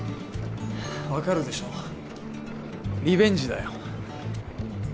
分かるでしょリベンジだよ